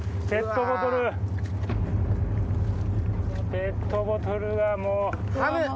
ペットボトルがもう。